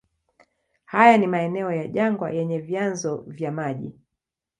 Haya ni maeneo ya jangwa yenye vyanzo vya maji.